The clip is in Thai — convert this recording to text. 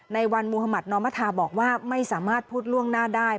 ในวันมุธมัธนอมธาบอกว่าไม่สามารถพูดล่วงหน้าได้